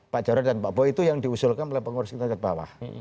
pak jarod dan pak boy itu yang diusulkan oleh pengurus kita cek bawah